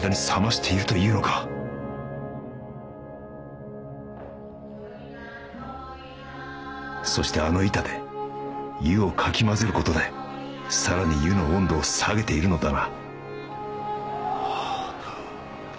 チョイナチョイナそしてあの板で湯をかき混ぜることでさらに湯の温度を下げているのだな